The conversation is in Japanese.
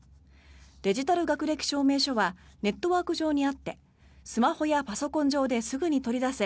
デジタル学歴証明書はネットワーク上に合ってスマホやパソコン上ですぐに取り出せ